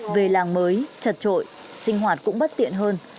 về làng mới trật trội sinh hoạt cũng bất tiện hơn